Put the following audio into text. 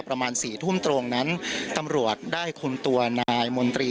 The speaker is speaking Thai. ประมาณสี่ทุ่มตรงนั้นตำรวจได้คุมตัวนายมนตรี